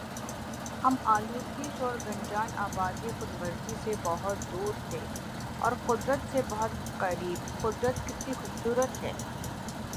ہم آلودگی شور گنجان آبادی خود غرضی سے بہت دور تھے اور قدرت سے بہت قریب قدرت کتنی خوب صورت ہے